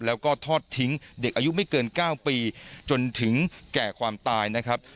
แล้วก็ทอดทิ้งเด็กอายุไม่เกิน๙ปีจนถึงแก่ความตายนะครับ